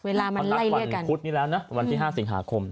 เวลามันไล่เรียกกันตอนนักฝั่งพุธนี้แล้วนะวันที่๕สิงหาคม